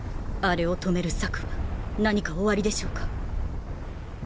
アレを止める策は何かお有りでしょうか？